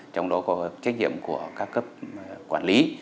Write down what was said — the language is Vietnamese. trong đó có trách nhiệm của các cấp quản lý